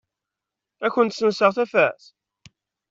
Ad kent-senseɣ tafat?